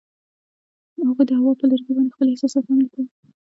هغوی د هوا پر لرګي باندې خپل احساسات هم لیکل.